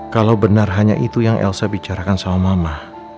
kalau benar hanya itu yang elsa bicarakan sama mama